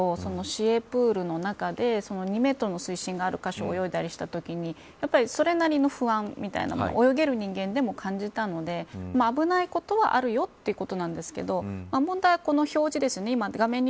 市営プールの中で２メートルの水深がある箇所を泳いだりしたときにやっぱり、それなりの不安みたいなものを泳げる人間でも感じたので危ないことはあるよということなんですけど問題は、この表示ですね。